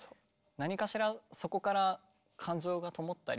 何かしらそこから感情がともったり。